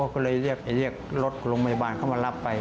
ก็เลยเรียกรถโรงพยาบาลเข้ามารับไป